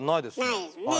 ないですね。